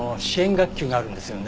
学級があるんですよね？